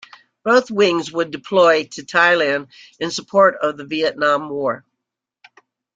Both wings would deploy to Thailand in support of the Vietnam War.